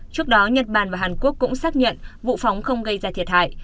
trước đó nhật bản và hàn quốc cũng xác nhận vụ phóng không gây ra thiệt hại